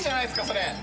それ。